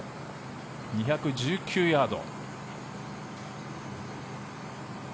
２１９ヤード。